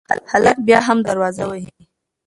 هلک بیا هم دروازه وهي.